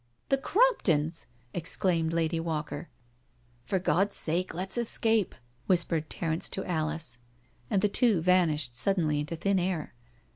"The CromptonsI" exclaimed Lady Walker. " For God's sake let's escape," whispered Terence to Alice. And the two vanished suddenly into thin air.